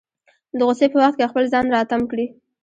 د غوسې په وخت کې خپل ځان راتم کړي.